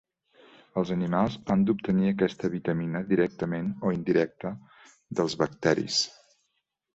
Els animals han d'obtenir aquesta vitamina directament o indirecta dels bacteris.